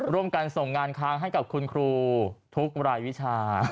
ร่วมกันส่งงานค้างให้กับคุณครูทุกรายวิชา